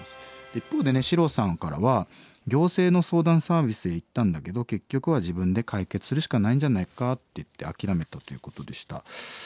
一方でねシロさんからは行政の相談サービスへ行ったんだけど結局は自分で解決するしかないんじゃないかっていって諦めたということでした。